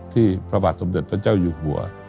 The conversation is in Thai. ที่พระบาทสมศิษย์พระเจ้าอยู่หัว